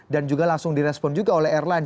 dan juga langsung direspon juga oleh airline